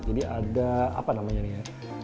jadi ada apa namanya nih ya